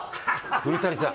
古谷さん。